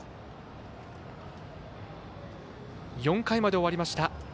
４回まで終わりました。